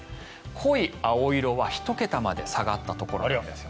濃い青色は１桁まで下がったところです。